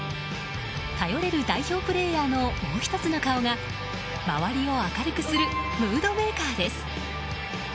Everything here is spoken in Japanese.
頼れる代表プレーヤーのもう１つの顔が周りを明るくするムードメーカーです。